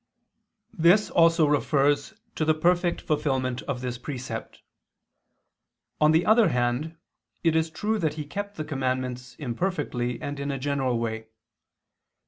This also refers to the perfect fulfilment of this precept. On the other hand, it is true that he kept the commandments imperfectly and in a general way.